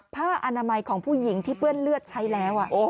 ผ้าอนามัยของผู้หญิงที่เปื้อนเลือดใช้แล้ว